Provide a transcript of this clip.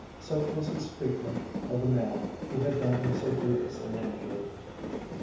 Such was his treatment of the man who had done him so grievous an injury.